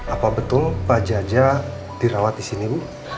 apa betul pak jajah dirawat di sini bu